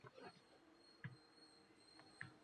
Goʻyo, hammani koʻzida qanaqadir bir firib borday